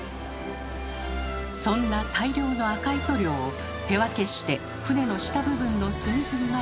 そんな大量の赤い塗料を手分けして船の下部分の隅々まで塗っていきます。